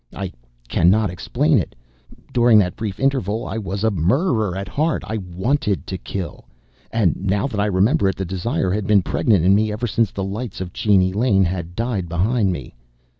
I cannot explain it. During that brief interval I was a murderer at heart. I wanted to kill. And now that I remember it, the desire had been pregnant in me ever since the lights of Cheney Lane had died behind me.